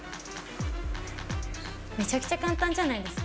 めちゃくちゃ簡単じゃないですか。